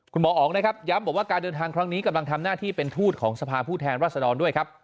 หมออ๋องนะครับย้ำบอกว่าการเดินทางครั้งนี้กำลังทำหน้าที่เป็นทูตของสภาผู้แทนรัศดรด้วยครับ